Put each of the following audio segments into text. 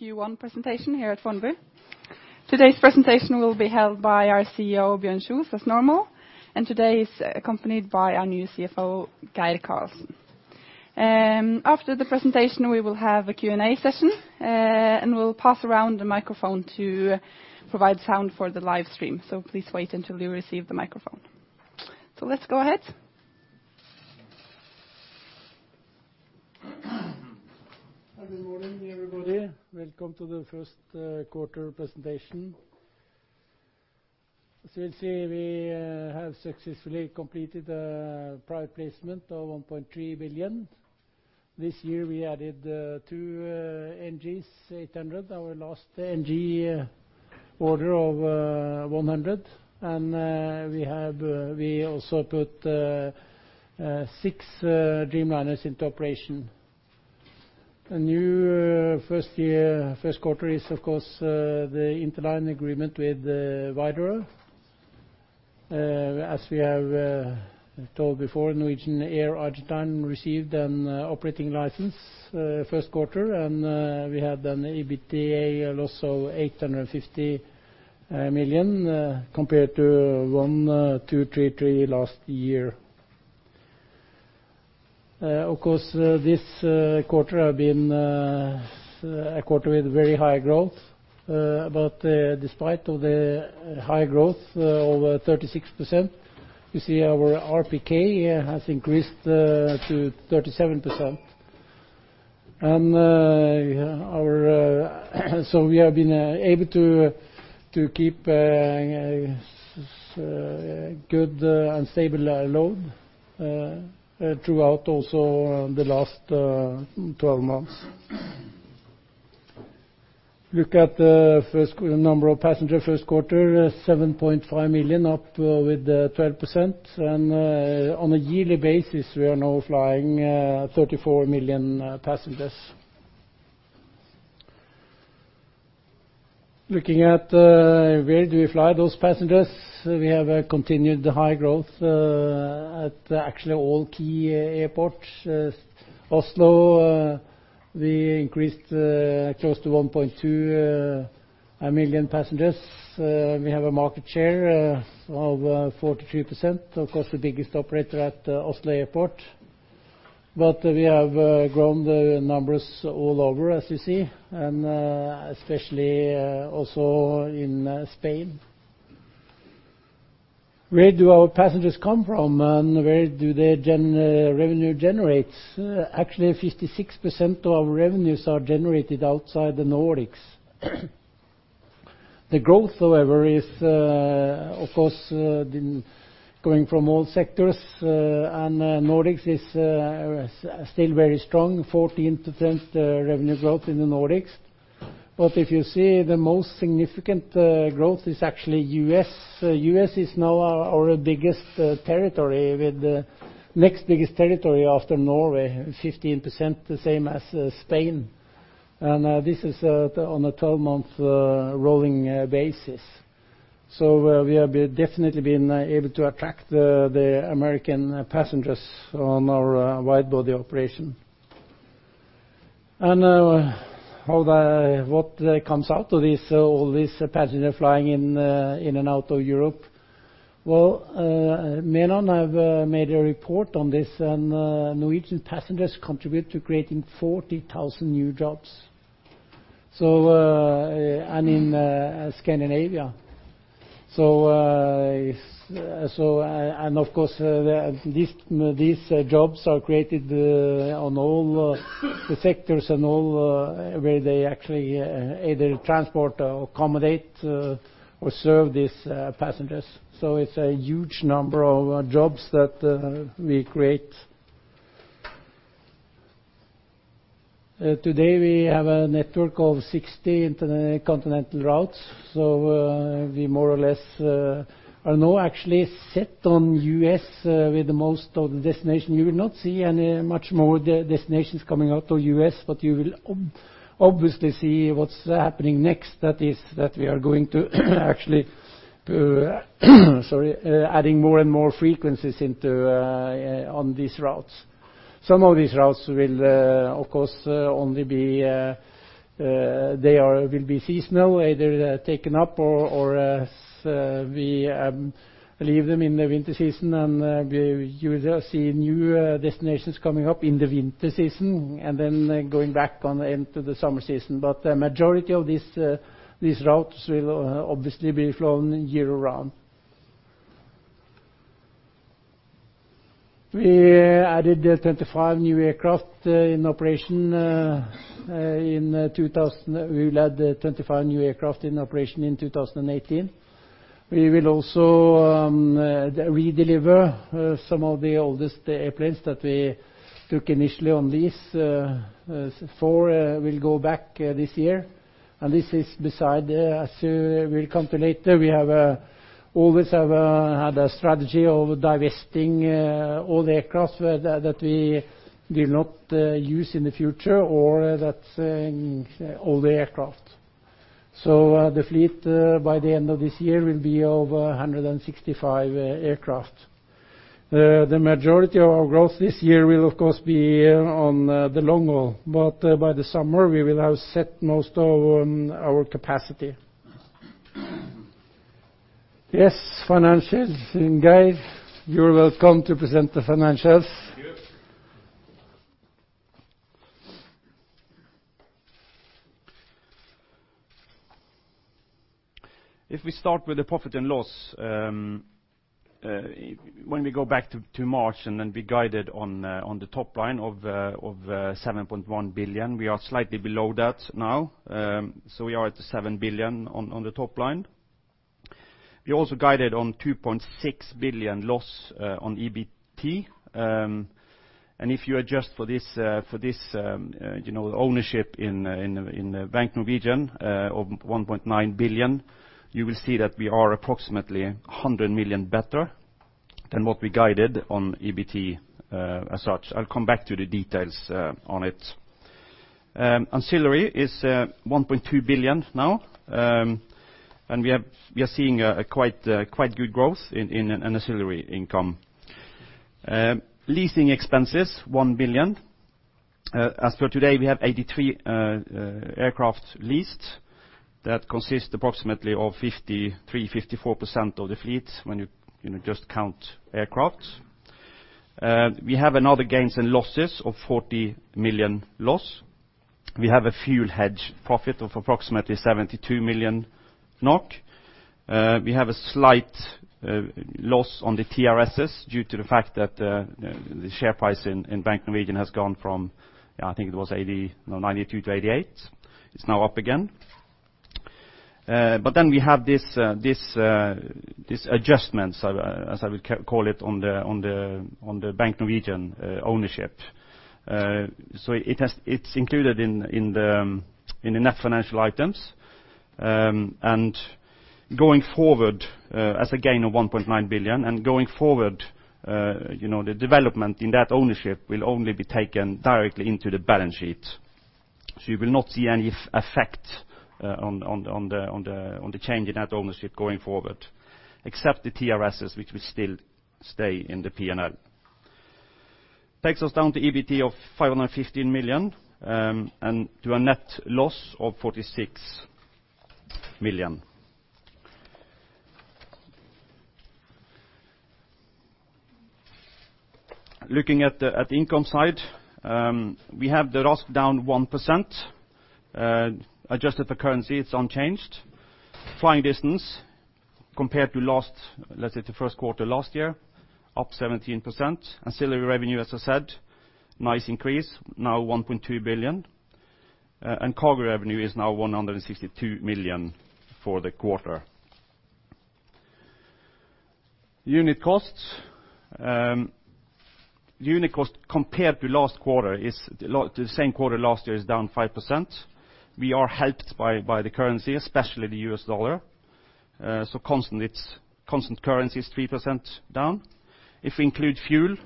Q1 presentation here at Fornebu. Today's presentation will be held by our CEO, Bjørn Kjos, as normal. Today he's accompanied by our new CFO, Geir Karlsen. After the presentation, we will have a Q&A session. We'll pass around the microphone to provide sound for the live stream. Please wait until you receive the microphone. Let's go ahead. Good morning, everybody. Welcome to the first quarter presentation. As you can see, we have successfully completed a private placement of 1.3 billion. This year, we added 2 NG800, our last NG order of 100. We also put 6 Dreamliners into operation. A new first quarter is, of course, the interline agreement with Widerøe. As we have told before, Norwegian Air Argentina received an operating license first quarter. We had an EBITDA loss of 850 million, compared to 1,233 million last year. Of course, this quarter has been a quarter with very high growth. Despite of the high growth of 36%, you see our RPK has increased to 37%. We have been able to keep a good and stable load throughout also the last 12 months. Look at the number of passengers first quarter, 7.5 million, up with 12%. On a yearly basis, we are now flying 34 million passengers. Looking at where do we fly those passengers. We have continued high growth at actually all key airports. Oslo, we increased close to 1.2 million passengers. We have a market share of 43%. Of course, the biggest operator at Oslo Airport. We have grown the numbers all over, as you see, and especially also in Spain. Where do our passengers come from, and where do their revenue generate? Actually, 56% of our revenues are generated outside the Nordics. The growth, however, is of course going from all sectors. Nordics is still very strong, 14% revenue growth in the Nordics. If you see, the most significant growth is actually U.S. U.S. is now our next biggest territory after Norway, 15%, the same as Spain. This is on a 12-month rolling basis. We have definitely been able to attract the American passengers on our wide-body operation. What comes out of all these passengers flying in and out of Europe? Well, Menon has made a report on this. Norwegian passengers contribute to creating 40,000 new jobs in Scandinavia. Of course, these jobs are created on all the sectors and all where they actually either transport or accommodate or serve these passengers. It's a huge number of jobs that we create. Today we have a network of 60 intercontinental routes. We more or less are now actually set on U.S. with the most of the destinations. You will not see any much more destinations coming out of U.S., you will obviously see what's happening next. That is that we are going to actually add more and more frequencies on these routes. Some of these routes will, of course, they will be seasonal, either taken up or as we leave them in the winter season, and you will see new destinations coming up in the winter season, and then going back on into the summer season. The majority of these routes will obviously be flown year-round. We added 25 new aircraft in operation in 2000. We will add 25 new aircraft in operation in 2018. We will also redeliver some of the oldest airplanes that we took initially on these. Four will go back this year. This is beside, as we will come to later, we always have had a strategy of divesting old aircraft that we will not use in the future, or that old aircraft. The fleet by the end of this year will be over 165 aircraft. The majority of our growth this year will of course be on the long haul, but by the summer we will have set most of our capacity. Yes, financials. Geir, you're welcome to present the financials. Thank you. If we start with the profit and loss, when we go back to March, we guided on the top line of 7.1 billion. We are slightly below that now. We are at 7 billion on the top line. We also guided on 2.6 billion loss on EBT. If you adjust for this ownership in the Bank Norwegian of 1.9 billion, you will see that we are approximately 100 million better than what we guided on EBT as such. I will come back to the details on it. Ancillary is 1.2 billion now. We are seeing a quite good growth in ancillary income. Leasing expenses, 1 billion. As for today, we have 83 aircraft leased. That consists approximately of 53%-54% of the fleet when you just count aircraft. We have another gains and losses of 40 million loss. We have a fuel hedge profit of approximately 72 million NOK. We have a slight loss on the TRSs due to the fact that the share price in Bank Norwegian has gone from, I think it was 92 to 88. It is now up again. We have these adjustments, as I would call it, on the Bank Norwegian ownership. It is included in the net financial items. Going forward, as a gain of 1.9 billion, and going forward, the development in that ownership will only be taken directly into the balance sheet. You will not see any effect on the change in that ownership going forward, except the TRSs, which will still stay in the P&L. Takes us down to EBT of 515 million, and to a net loss of 46 million. Looking at the income side. We have the RASK down 1%. Adjusted for currency, it's unchanged. Flying distance compared to last, let's say the first quarter last year, up 17%. Ancillary revenue, as I said, nice increase, now 1.2 billion. Cargo revenue is now 162 million for the quarter. Unit costs. Unit cost compared to last quarter, the same quarter last year, is down 5%. We are helped by the currency, especially the US dollar. Constant currency is 3% down. If we include fuel,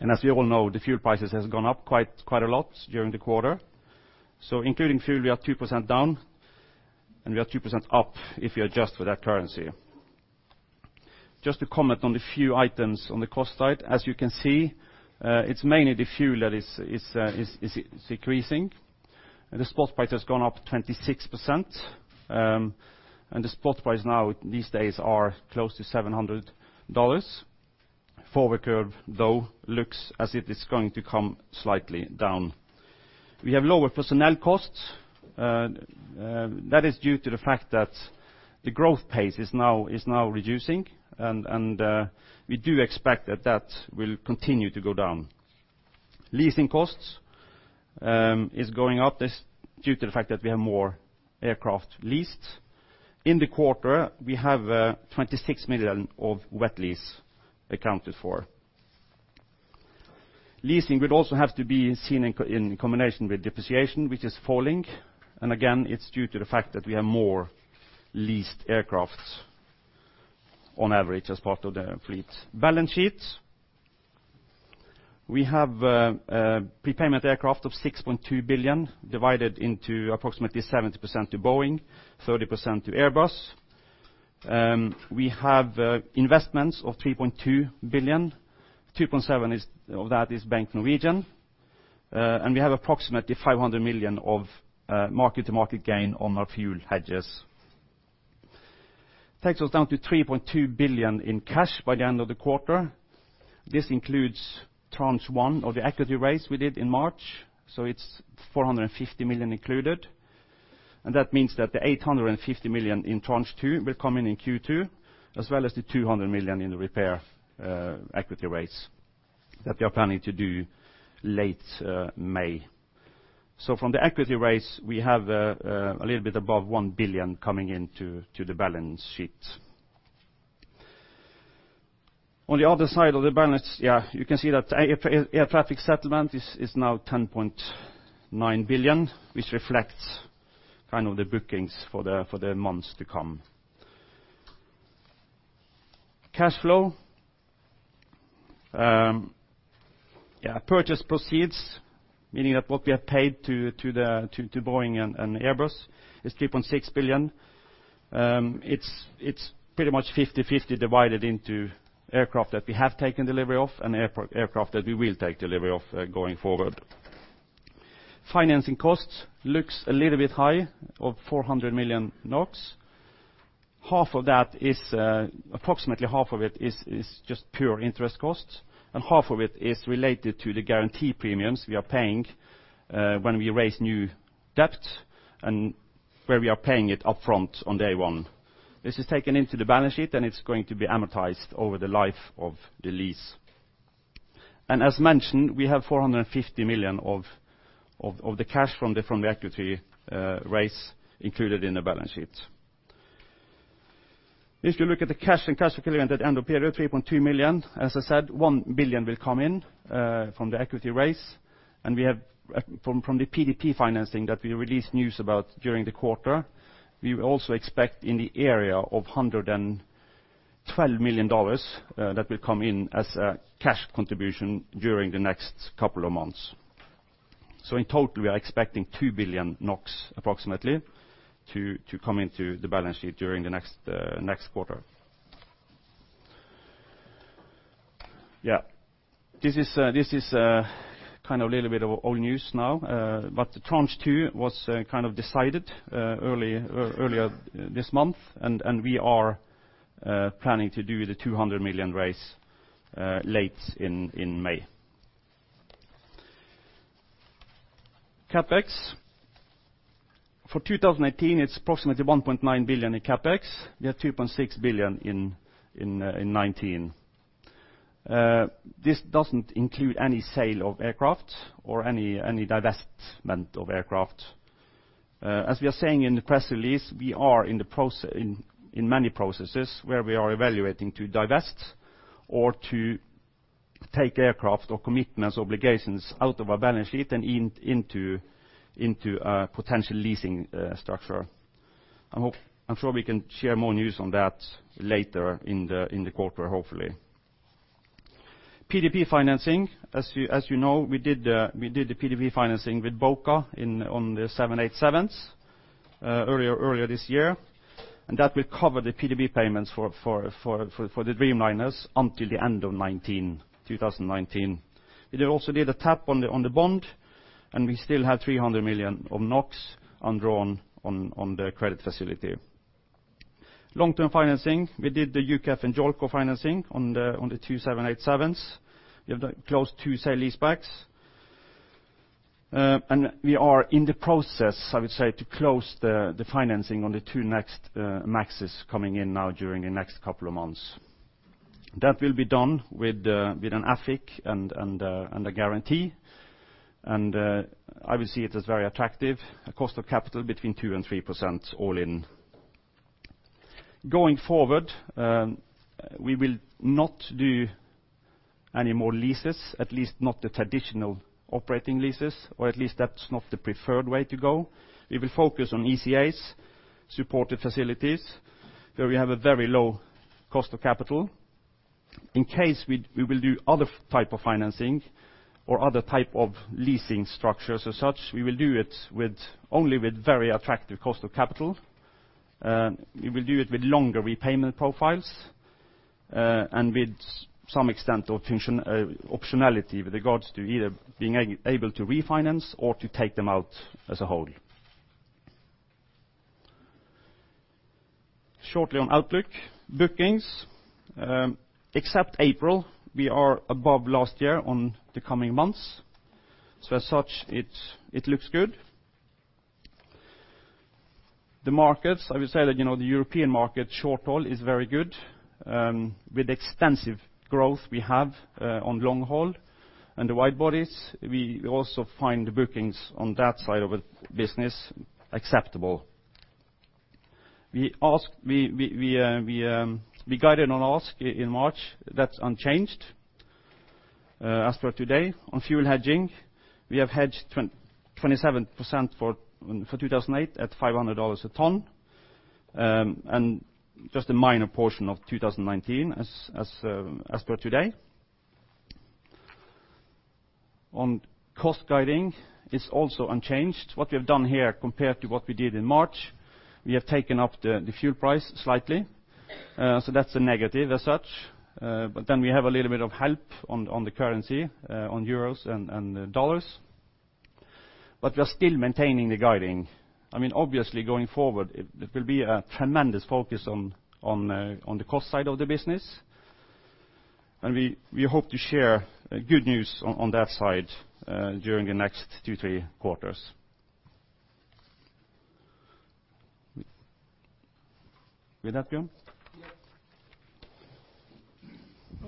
as you all know, the fuel prices have gone up quite a lot during the quarter. Including fuel, we are 2% down, and we are 2% up if you adjust for that currency. Just to comment on the few items on the cost side. As you can see, it's mainly the fuel that is increasing. The spot price has gone up 26%. The spot price now these days are close to $700. Forward curve, though, looks as if it's going to come slightly down. We have lower personnel costs. That is due to the fact that the growth pace is now reducing. We do expect that that will continue to go down. Leasing costs is going up. This is due to the fact that we have more aircraft leased. In the quarter, we have 26 million of wet lease accounted for. Leasing would also have to be seen in combination with depreciation, which is falling. Again, it's due to the fact that we have more leased aircraft on average as part of the fleet. Balance sheets. We have prepayment aircraft of 6.2 billion divided into approximately 70% to Boeing, 30% to Airbus. We have investments of 3.2 billion. 2.7 billion of that is Bank Norwegian. We have approximately 500 million of market-to-market gain on our fuel hedges. Takes us down to 3.2 billion in cash by the end of the quarter. This includes tranche one of the equity raise we did in March. It's 450 million included. That means that the 850 million in tranche two will come in in Q2, as well as the 200 million in the repair equity raise that we are planning to do late May. From the equity raise, we have a little bit above 1 billion coming into the balance sheet. On the other side of the balance, you can see that air traffic settlement is now 10.9 billion, which reflects the bookings for the months to come. Cash flow. Purchase proceeds, meaning that what we have paid to Boeing and Airbus is 3.6 billion. It's pretty much 50/50 divided into aircraft that we have taken delivery of and aircraft that we will take delivery of going forward. Financing costs looks a little bit high, of 400 million NOK. Approximately half of it is just pure interest costs, and half of it is related to the guarantee premiums we are paying when we raise new debt and where we are paying it upfront on day one. This is taken into the balance sheet, and it's going to be amortized over the life of the lease. As mentioned, we have 450 million of the cash from the equity raise included in the balance sheet. If you look at the cash and cash equivalent at end of period, 3.2 billion. As I said, 1 billion will come in from the equity raise. We have from the PDP financing that we released news about during the quarter, we also expect in the area of $112 million that will come in as a cash contribution during the next couple of months. In total, we are expecting 2 billion NOK, approximately, to come into the balance sheet during the next quarter. This is a little bit of old news now, but Tranche 2 was decided earlier this month, and we are planning to do the 200 million raise late in May. CapEx. For 2018, it is approximately 1.9 billion in CapEx. We have 2.6 billion in 2019. This does not include any sale of aircraft or any divestment of aircraft. As we are saying in the press release, we are in many processes where we are evaluating to divest or to take aircraft or commitments, obligations out of our balance sheet and into a potential leasing structure. I am sure we can share more news on that later in the quarter, hopefully. PDP financing. As you know, we did the PDP financing with BOCA on the 787s earlier this year, and that will cover the PDP payments for the Dreamliners until the end of 2019. We also did a tap on the bond, and we still have 300 million undrawn on the credit facility. Long-term financing, we did the UCFF and JOLCO financing on the 2 787s. We have closed 2 sale-leasebacks. We are in the process, I would say, to close the financing on the 2 next MAXes coming in now during the next couple of months. That will be done with an AFIC and a guarantee. I will see it as very attractive. A cost of capital between 2%-3% all in. Going forward, we will not do any more leases, at least not the traditional operating leases, or at least that is not the preferred way to go. We will focus on ECAs, supported facilities, where we have a very low cost of capital. In case we will do other type of financing or other type of leasing structures as such, we will do it only with very attractive cost of capital. We will do it with longer repayment profiles, and with some extent of optionality with regards to either being able to refinance or to take them out as a whole. Shortly on outlook. Bookings. Except April, we are above last year on the coming months. As such, it looks good. The markets, I would say that the European market short-haul is very good, with extensive growth we have on long-haul. The wide-bodies, we also find the bookings on that side of the business acceptable. We guided on ASK in March. That is unchanged as for today. On fuel hedging, we have hedged 27% for 2018 at $500 a ton, and just a minor portion of 2019 as per today. On cost guiding, it is also unchanged. What we have done here compared to what we did in March, we have taken up the fuel price slightly. That is a negative as such. We have a little bit of help on the currency, on euros and dollars. We are still maintaining the guiding. Obviously, going forward, it will be a tremendous focus on the cost side of the business. We hope to share good news on that side during the next 2, 3 quarters. With that,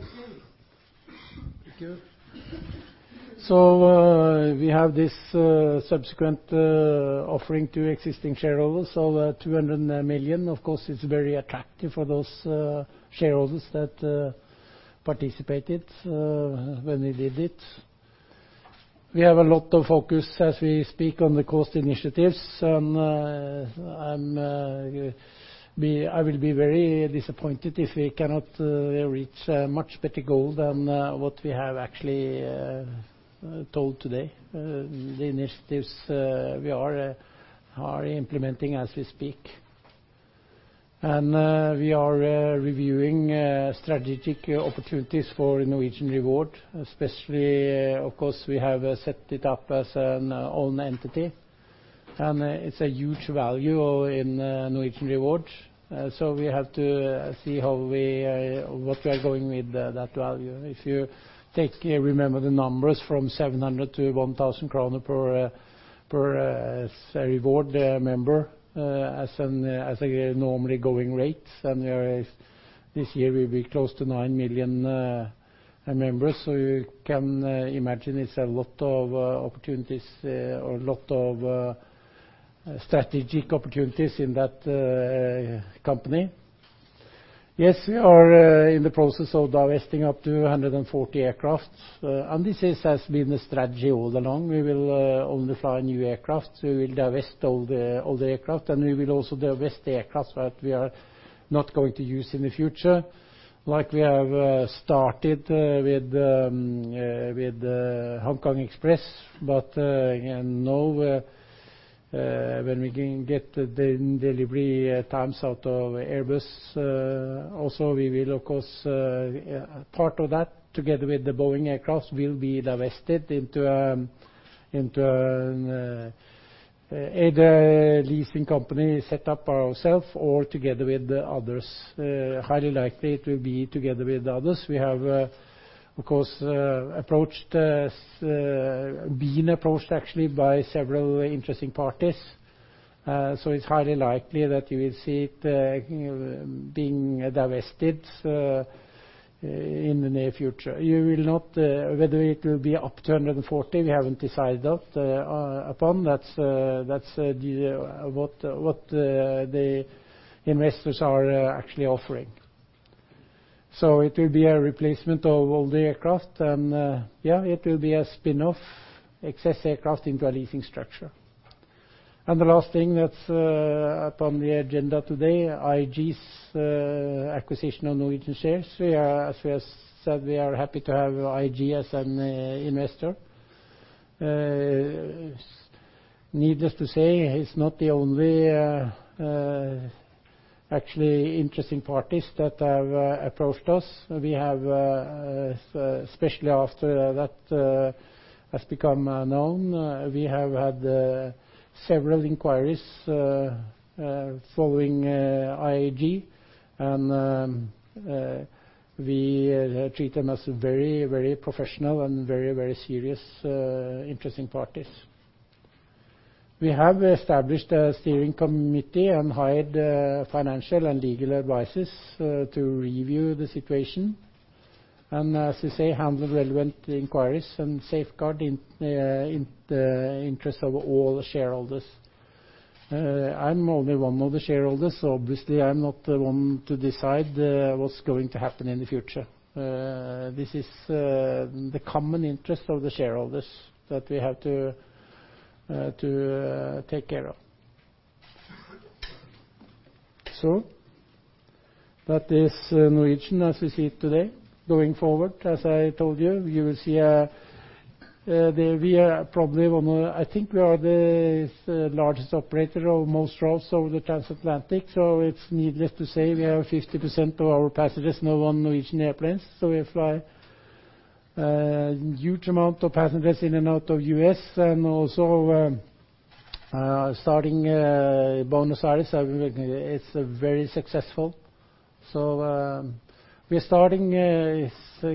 Bjørn? Yes. Thank you. We have this subsequent offering to existing shareholders of 200 million. Of course, it's very attractive for those shareholders that participated when we did it. We have a lot of focus as we speak on the cost initiatives. I will be very disappointed if we cannot reach a much better goal than what we have actually told today. The initiatives we are hardly implementing as we speak. We are reviewing strategic opportunities for Norwegian Reward, especially, of course, we have set it up as an own entity, and it's a huge value in Norwegian Reward. We have to see what we are going with that value. If you remember the numbers from 700 to 1,000 kroner per Reward member as a normally going rate, and this year we'll be close to 9 million members. You can imagine it's a lot of strategic opportunities in that company. Yes, we are in the process of divesting up to 140 aircraft. This has been the strategy all along. We will only fly new aircraft. We will divest all the older aircraft, and we will also divest the aircraft that we are not going to use in the future. Like we have started with Hong Kong Express. But again, now when we can get the delivery times out of Airbus, also we will, of course, part of that together with the Boeing aircraft will be divested into either leasing company set up by ourself or together with others. Highly likely it will be together with others. We have, of course, been approached actually by several interesting parties. It's highly likely that you will see it being divested in the near future. Whether it will be up to 140, we haven't decided upon. That's what the investors are actually offering. It will be a replacement of all the aircraft, and it will be a spin-off excess aircraft into a leasing structure. The last thing that's upon the agenda today, IAG's acquisition of Norwegian shares. We have said, we are happy to have IAG as an investor. Needless to say, it's not the only actually interesting parties that have approached us. After that has become known, we have had several inquiries following IAG. We treat them as very professional and very serious interesting parties. We have established a steering committee and hired financial and legal advisors to review the situation and, as I say, handle relevant inquiries and safeguard the interest of all shareholders. I'm only one of the shareholders. I'm not the one to decide what's going to happen in the future. This is the common interest of the shareholders that we have to take care of. That is Norwegian as we see it today. Going forward, as I told you, I think we are the largest operator of most routes over the transatlantic. It's needless to say we have 50% of our passengers now on Norwegian airplanes. We fly a huge amount of passengers in and out of U.S. and also starting Buenos Aires. It's very successful. We're starting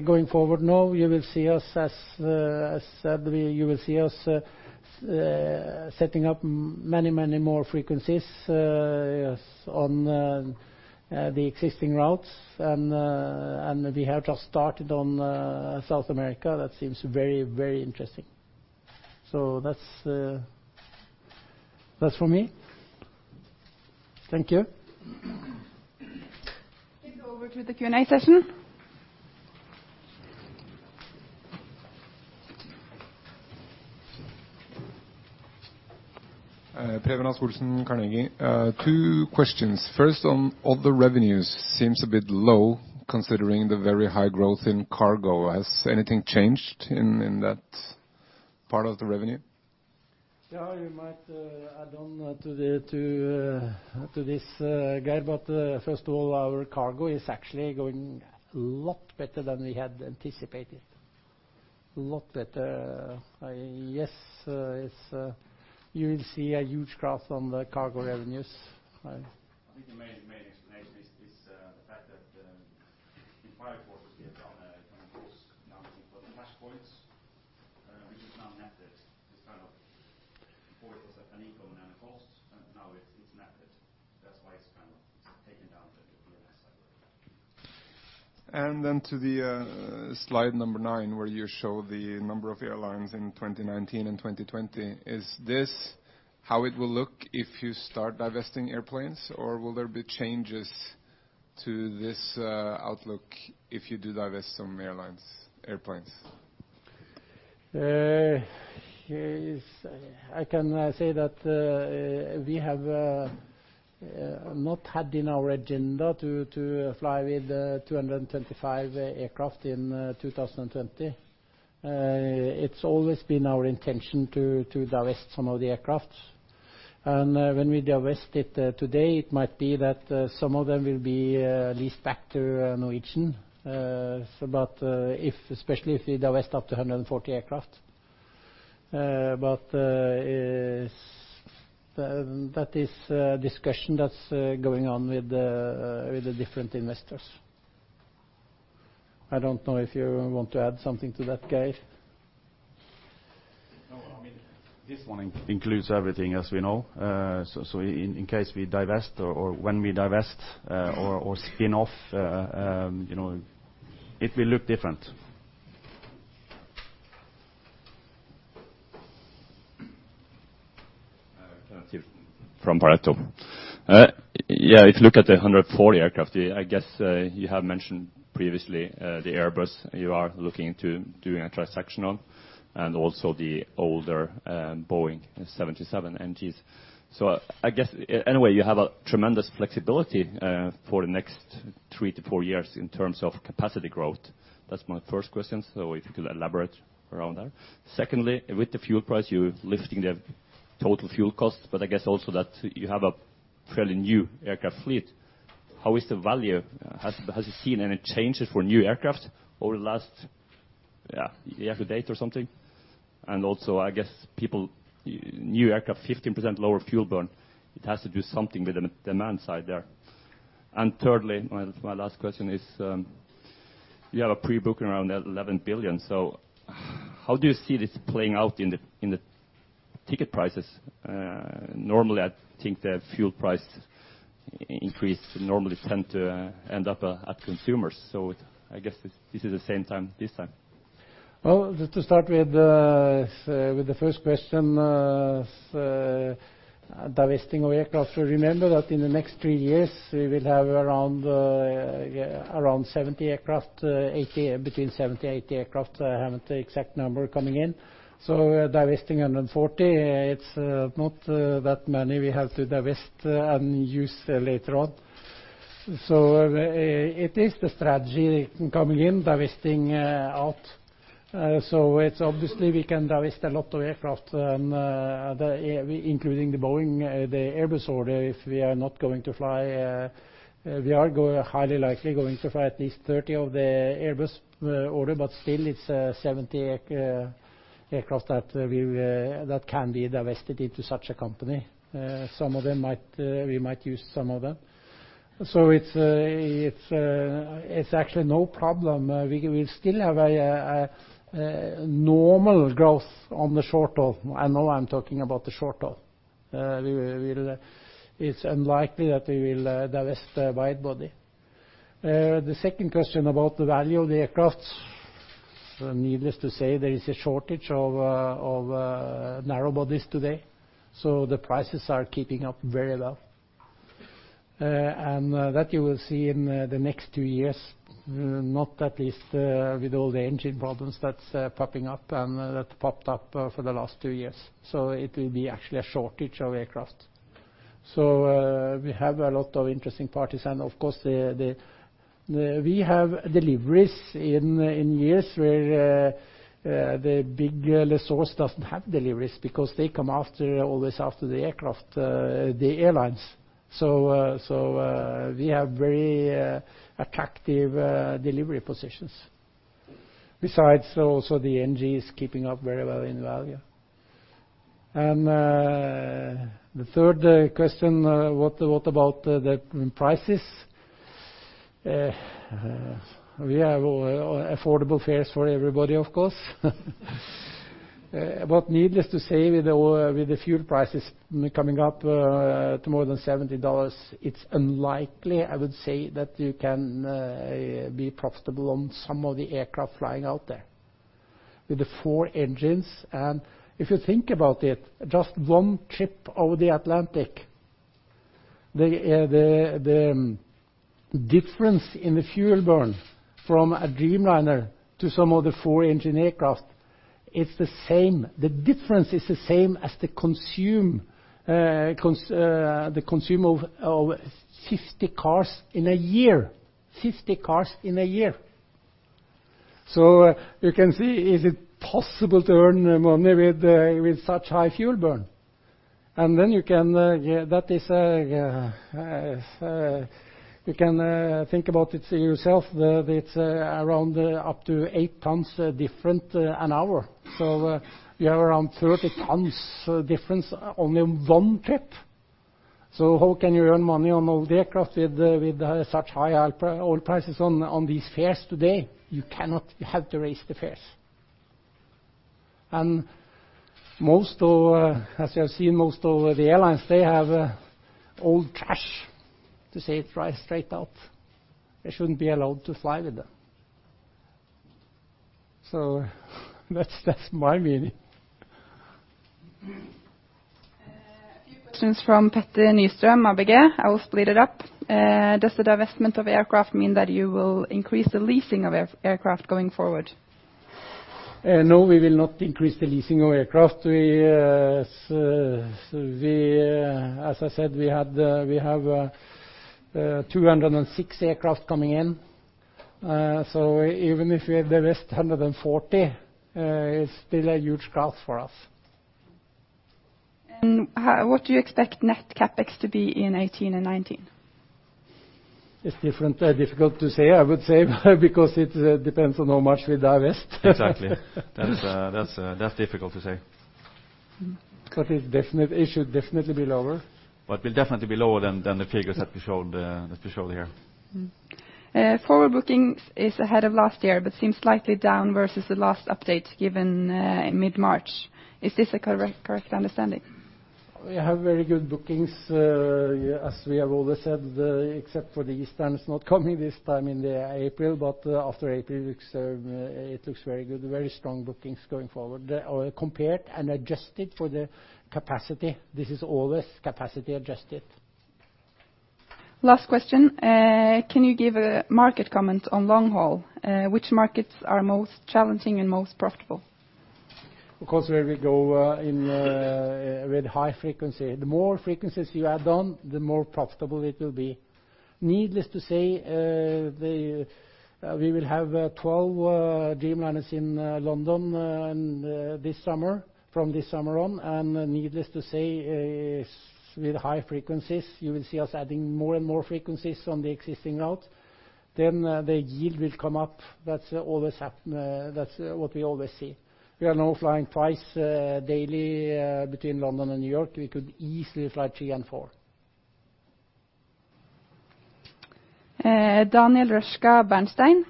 going forward now. You will see us as said, setting up many more frequencies on the existing routes. We have just started on South America. That seems very interesting. That's for me. Thank you. Let's go over to the Q&A session. Preben Aas-Olsen, Carnegie. Two questions. First, on other revenues. Seems a bit low considering the very high growth in cargo. Has anything changed in that part of the revenue? Yeah, you might add on to this, Geir. First of all, our cargo is actually going a lot better than we had anticipated. A lot better. Yes, you will see a huge growth on the cargo revenues. I think the main explanation is the fact that in prior quarters, we have done a gross accounting for the cash points, which is now netted. Before it was an income and a cost, and now it's netted. That's why it's taken down a bit year-over-year. Then to the slide number nine, where you show the number of airplanes in 2019 and 2020. Is this how it will look if you start divesting airplanes, or will there be changes? To this outlook, if you do divest some airplanes. I can say that we have not had in our agenda to fly with 225 aircraft in 2020. It's always been our intention to divest some of the aircraft. When we divest it today, it might be that some of them will be leased back to Norwegian. Especially if we divest up to 140 aircraft. That is a discussion that's going on with the different investors. I don't know if you want to add something to that, Geir. No, this one includes everything as we know. In case we divest or when we divest or spin off, it will look different. from Pareto. If you look at the 140 aircraft, I guess you have mentioned previously the Airbus you are looking to doing a transaction on and also the older Boeing 737NGs. I guess, anyway, you have a tremendous flexibility for the next three to four years in terms of capacity growth. That's my first question. If you could elaborate around that. Secondly, with the fuel price, you're lifting the total fuel cost, but I guess also that you have a fairly new aircraft fleet. How is the value? Have you seen any changes for new aircraft over the last year to date or something? Also, I guess, people New aircraft, 15% lower fuel burn. It has to do something with the demand side there. Thirdly, my last question is, you have a pre-booking around 11 billion, how do you see this playing out in the ticket prices? Normally, I think the fuel price increase normally tend to end up at consumers. I guess this is the same this time. Well, just to start with the first question, divesting of aircraft. Remember that in the next three years, we will have around 70 aircraft, 80, between 70, 80 aircraft. I haven't the exact number coming in. Divesting 140, it's not that many we have to divest and use later on. It is the strategy coming in, divesting out. It's obviously we can divest a lot of aircraft, including the Boeing, the Airbus order, if we are not going to fly. We are highly likely going to fly at least 30 of the Airbus order, but still it's 70 aircraft that can be divested into such a company. We might use some of them. It's actually no problem. We will still have a normal growth on the short haul. I know I'm talking about the short haul. It's unlikely that we will divest wide body. The second question about the value of the aircraft. Needless to say, there is a shortage of narrow-bodies today, the prices are keeping up very well. That you will see in the next 2 years, not at least with all the engine problems that is popping up and that popped up for the last 2 years. It will be actually a shortage of aircraft. We have a lot of interesting parties. Of course, we have deliveries in years where the big lessors doesn't have deliveries because they come after, always after the aircraft, the airlines. We have very attractive delivery positions. Besides, also the NG is keeping up very well in value. The third question, what about the prices? We have affordable fares for everybody, of course. Needless to say, with the fuel prices coming up to more than $70, it is unlikely, I would say, that you can be profitable on some of the aircraft flying out there. With the four-engines. If you think about it, just one trip over the Atlantic, the difference in the fuel burn from a Dreamliner to some of the four-engine aircraft, it is the same. The difference is the same as the consume of 50 cars in a year. 50 cars in a year. You can see, is it possible to earn money with such high fuel burn? Then you can think about it yourself, that it is around up to 8 tons different an hour. You have around 30 tons difference on one trip. How can you earn money on all the aircraft with such high oil prices on these fares today? You cannot. You have to raise the fares. As you have seen, most of the airlines, they have old trash. To say it right, straight up. They should not be allowed to fly with them. That is my meaning. A few questions from Petter Nystrøm, ABG. I will split it up. Does the divestment of aircraft mean that you will increase the leasing of aircraft going forward? No, we will not increase the leasing of aircraft. As I said, we have 206 aircraft coming in. Even if we divest 140, it's still a huge growth for us. What do you expect net CapEx to be in 2018 and 2019? It's difficult to say, I would say, because it depends on how much we divest. Exactly. That's difficult to say. It should definitely be lower. Will definitely be lower than the figures that we showed here. Forward bookings is ahead of last year, but seems slightly down versus the last update given mid-March. Is this a correct understanding? We have very good bookings, as we have always said, except for the Easter not coming this time in the April, but after April it looks very good. Very strong bookings going forward. Compared and adjusted for the capacity. This is always capacity adjusted. Last question. Can you give a market comment on long haul? Which markets are most challenging and most profitable? Of course, where we go in with high frequency. The more frequencies you add on, the more profitable it will be. Needless to say, we will have 12 Dreamliners in London from this summer on, and needless to say, with high frequencies. You will see us adding more and more frequencies on the existing routes. The yield will come up. That's what we always see. We are now flying twice daily between London and New York. We could easily fly three and four. Daniel Røskaft, Bernstein.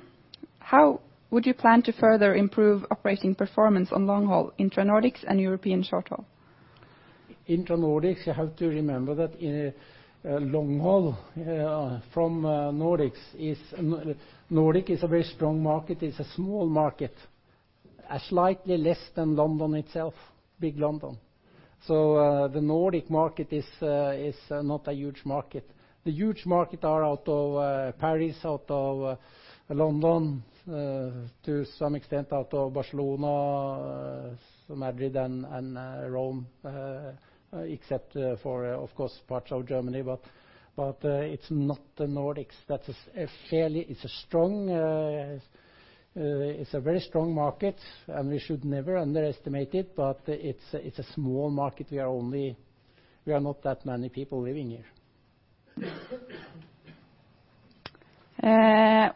How would you plan to further improve operating performance on long haul, intra-Nordics and European short haul? Intra-Nordics, you have to remember that long haul from Nordics is Nordic is a very strong market. It's a small market. Slightly less than London itself, big London. The Nordic market is not a huge market. The huge market are out of Paris, out of London, to some extent out of Barcelona, Madrid, and Rome. Except for, of course, parts of Germany, but it's not the Nordics. It's a very strong market, and we should never underestimate it, but it's a small market. We are not that many people living here.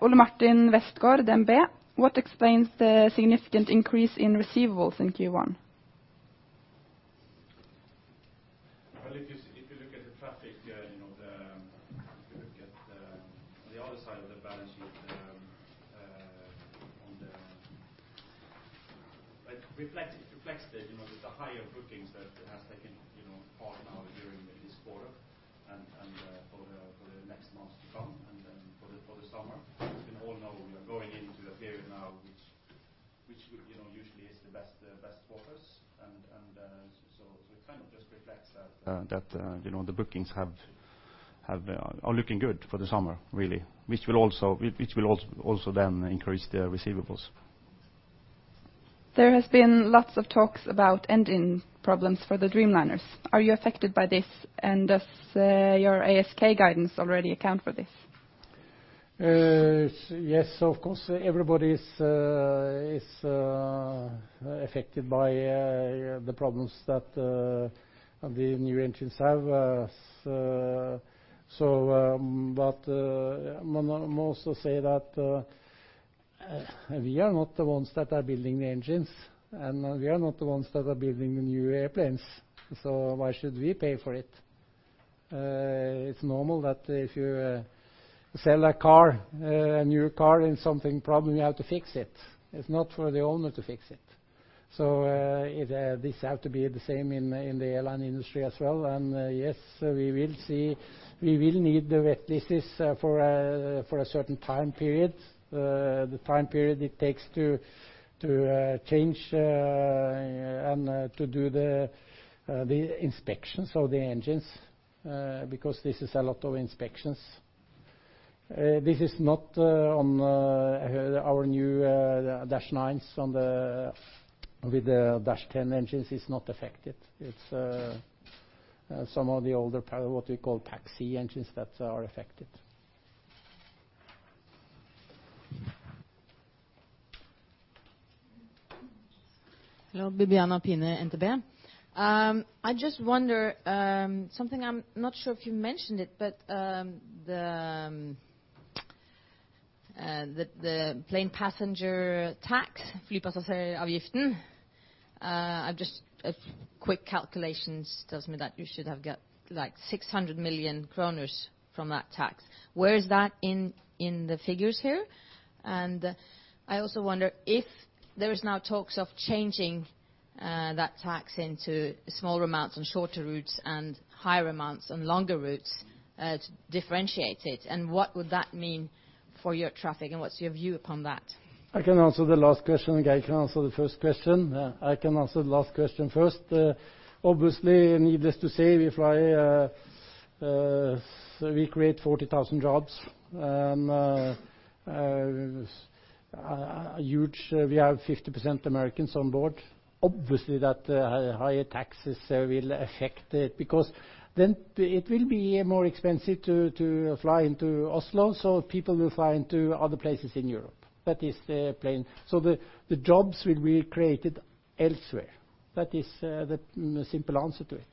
Ole Martin Westgaard, DNB. What explains the significant increase in receivables in Q1? Well, if you look at the traffic guide, if you look at the other side of the balance sheet. It reflects that with the higher bookings that has taken part now during this quarter and for the next months to come, and for the summer. We all know we are going into a period now which usually is the best quarters. So it kind of just reflects that the bookings are looking good for the summer, really. Which will also then increase the receivables. There has been lots of talks about ending problems for the Dreamliners. Are you affected by this, and does your ASK guidance already account for this? Yes, of course. Everybody is affected by the problems that the new engines have. I must also say that we are not the ones that are building the engines, and we are not the ones that are building the new airplanes. Why should we pay for it? It's normal that if you sell a car, a new car, and something problem, you have to fix it. It's not for the owner to fix it. This have to be the same in the airline industry as well. Yes, we will see. We will need the wet lease for a certain time period. The time period it takes to change and to do the inspections of the engines, because this is a lot of inspections. This is not on our new Dash 9s. With the Dash 10 engines, it's not affected. It's some of the older, what you call taxi engines, that are affected. Hello. Bibiana Piene, NTB. I just wonder, something I'm not sure if you mentioned it, the Air Passenger Tax. Just a quick calculation tells me that you should have got 600 million kroner from that tax. Where is that in the figures here? I also wonder if there is now talk of changing that tax into smaller amounts on shorter routes and higher amounts on longer routes, to differentiate it, and what would that mean for your traffic, and what's your view upon that? I can answer the last question. Geir can answer the first question. I can answer the last question first. Obviously, needless to say, we create 40,000 jobs. We have 50% Americans on board. Obviously, that higher taxes will affect it, because then it will be more expensive to fly into Oslo, people will fly into other places in Europe. The jobs will be created elsewhere. That is the simple answer to it.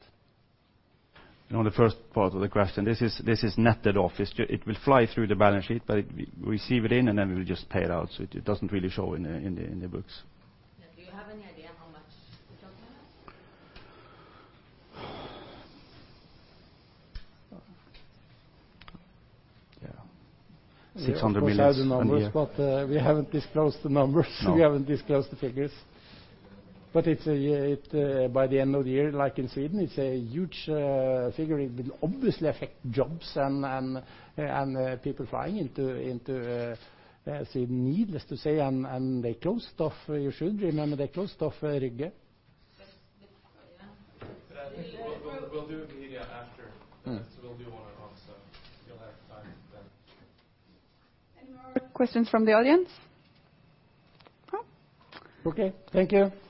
On the first part of the question, this is netted off. It will fly through the balance sheet, we receive it in, then we will just pay it out. It doesn't really show in the books. Do you have any idea how much it does amount? Yeah. 600 million. Of course we have the numbers, we haven't disclosed the numbers. No. We haven't disclosed the figures. By the end of the year, like in Sweden, it's a huge figure. It will obviously affect jobs and people flying into Sweden, needless to say. They closed off, you should remember, they closed off Rygge. Just before the end. We'll do media after. We'll do one-on-one, so you'll have time then. Any more questions from the audience? No. Okay. Thank you.